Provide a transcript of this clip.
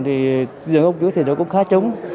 thì giường ốc cứu thì nó cũng khá trống